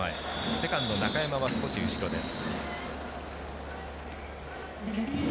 セカンド、中山は少し後ろです。